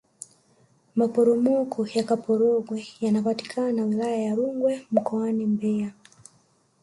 maporomoko ya kaporogwe yanapatikana wilaya ya rungwe mkoani mbeya